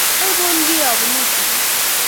Aipun kiy apunu sukul